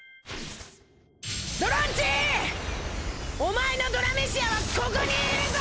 ドロンチお前のドラメシヤはここにいるぞ！